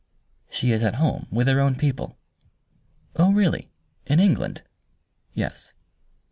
"She is at home with her own people." "Oh, really in England?" "Yes."